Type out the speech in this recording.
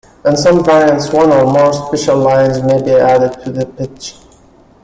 In some variants, one or more special lines may be added to the pitch.